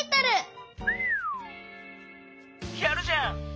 やるじゃん。